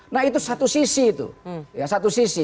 nah itu satu sisi itu